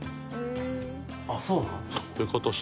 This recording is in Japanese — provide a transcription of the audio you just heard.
あっそうなの？